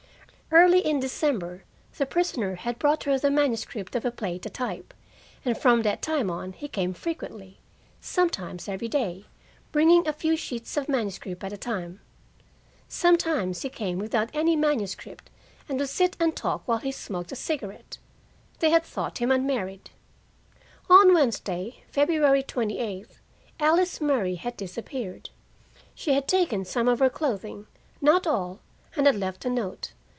Early in December the prisoner had brought her the manuscript of a play to type, and from that time on he came frequently, sometimes every day, bringing a few sheets of manuscript at a time. Sometimes he came without any manuscript, and would sit and talk while he smoked a cigarette. They had thought him unmarried. On Wednesday, February twenty eighth, Alice Murray had disappeared. She had taken some of her clothing not all, and had left a note.